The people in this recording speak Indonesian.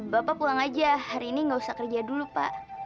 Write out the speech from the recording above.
bapak pulang aja hari ini nggak usah kerja dulu pak